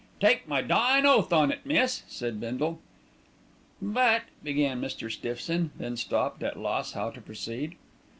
"Take my dyin' oath on it, miss," said Bindle. "But " began Mr. Stiffson, then stopped, at loss how to proceed.